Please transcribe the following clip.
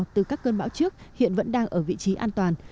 từ các cơn bão trước hiện vẫn đang ở vị trí an toàn